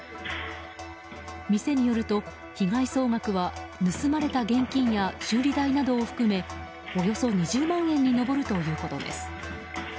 店によると、被害総額は盗まれた現金や修理代などを含めおよそ２０万円に上るということです。